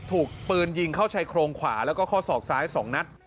ถูกปืนยิงเข้าชายโครงขวาแล้วก็ข้อศอกซ้าย๒นัด